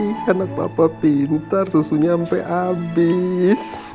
iih anak papa pintar susunya sampai abis